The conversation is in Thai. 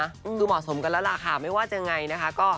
คือเหมาะสมกันแล้วล่ะค่ะไม่ว่าจะยังไงนะคะ